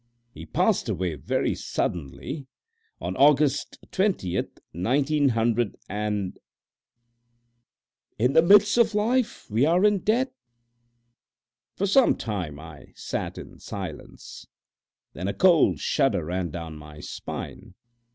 HE PASSED AWAY VERY SUDDENLY ON AUGUST 20TH, 190 "In the midst of life we are in death." For some time I sat in silence. Then a cold shudder ran down my spine.